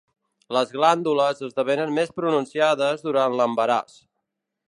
Les glàndules esdevenen més pronunciades durant l'embaràs.